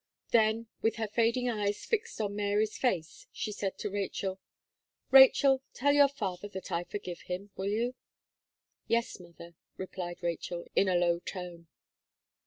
Then, with her fading eyes fixed on Mary's face, she said to Rachel: "Rachel, tell your father that I forgive him, will you?" "Yes, mother," replied Rachel, in a low tone.